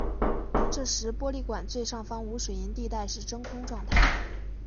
这时玻璃管最上方无水银地带是真空状态。